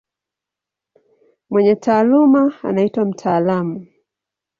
Mwenye taaluma anaitwa mtaalamu.